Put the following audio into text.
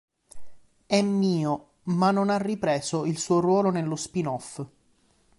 È mio", ma non ha ripreso il suo ruolo nello spin-off.